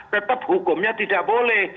tetap hukumnya tidak boleh